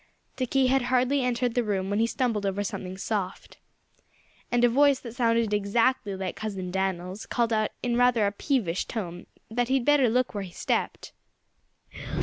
Dickie had hardly entered the room when he stumbled over something soft. And a voice that sounded exactly like Cousin Dan'l's called out in rather a peevish tone that he'd better look out where he stepped.